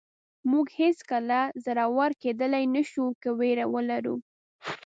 موږ هېڅکله زړور کېدلی نه شو که وېره ولرو.